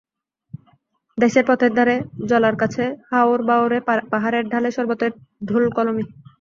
দেশের পথের ধারে, জলার কাছে, হাওর, বাঁওড়ে, পাহাড়ের ঢালে সর্বত্রই ঢোলকলমি।